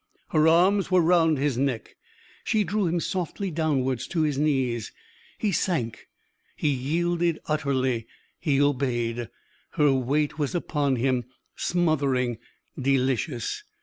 Her arms were round his neck. She drew him softly downwards to his knees. He sank; he yielded utterly; he obeyed. Her weight was upon him, smothering, delicious.